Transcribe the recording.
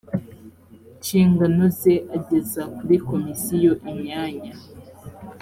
nshingano ze ageza kuri komisiyo imyanya